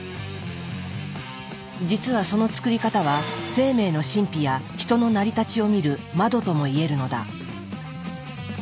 実はその作り方は生命の神秘やヒトの成り立ちを見る窓とも言えるのだ。